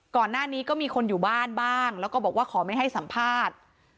ก่อนหน้านี้ก็มีคนอยู่บ้านบ้างแล้วก็บอกว่าขอไม่ให้สัมภาษณ์